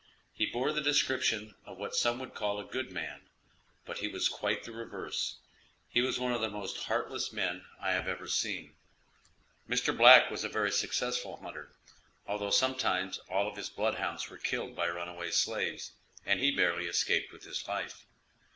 He bore the description of what some would call a good man, but he was quite the reverse; he was one of the most heartless men I have ever seen. Mr. Black was a very successful hunter, although sometimes all of his bloodhounds were killed by runaway slaves, and he barely escaped with his life.